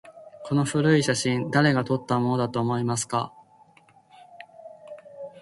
この古い写真、誰が撮ったものだと思いますか？